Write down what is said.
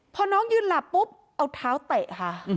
พอน้องยืนหลับปุ๊บเอาเท้าเตะค่ะ